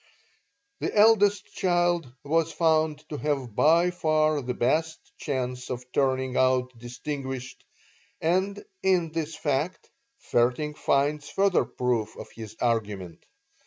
The eldest child was found to have by far the best chance of turning out distinguished, and in this fact Vaerting finds further proof of his argument.